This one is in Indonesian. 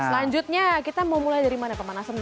selanjutnya kita mau mulai dari mana pemanasan dulu